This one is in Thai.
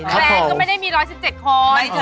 แฟนก็ไม่ได้มีร้อยสิบเจ็ดคน